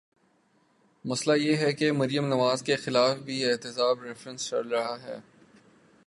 مسئلہ یہ ہے کہ مریم نواز کے خلاف بھی احتساب ریفرنس چل رہا ہے۔